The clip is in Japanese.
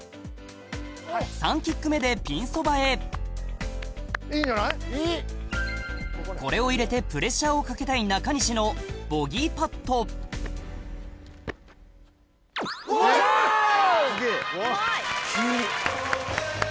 ３キック目でピンそばへこれを入れてプレッシャーをかけたい中西のボギーパットうまい！